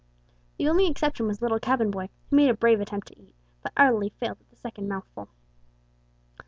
The only exception was the little cabin boy, who made a brave attempt to eat, but utterly failed at the second mouthful.